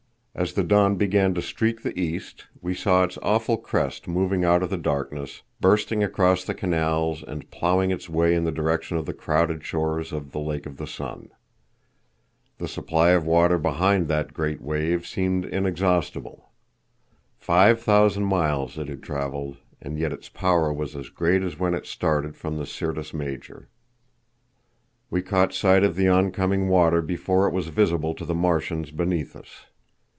As the dawn began to streak the east we saw its awful crest moving out of the darkness, bursting across the canals and plowing its way in the direction of the crowded shores of the Lake of the Sun. The supply of water behind that great wave seemed inexhaustible. Five thousand miles it had travelled, and yet its power was as great as when it started from the Syrtis Major. We caught sight of the oncoming water before it was visible to the Martians beneath us.